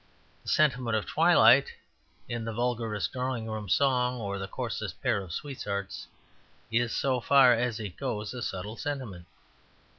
The sentiment of twilight, in the vulgarest drawing room song or the coarsest pair of sweethearts, is, so far as it goes, a subtle sentiment.